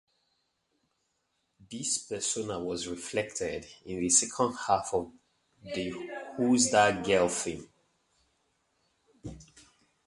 This persona was reflected in the second half of the "Who's That Girl" film.